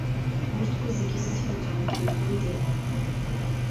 Урҭқәа зегьы сызҳәаӡом, дҩагылеит иара.